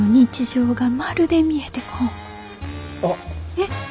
えっ。